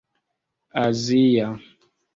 azia